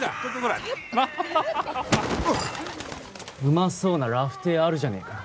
うまそうなラフテーあるじゃねえか。